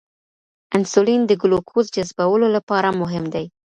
انسولین د ګلوکوز جذبولو لپاره مهم دی.